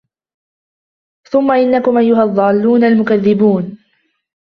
ثم إنكم أيها الضالون المكذبون